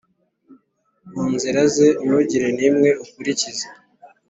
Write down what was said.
mu nzira ze ntugire n’imwe ukurikiza,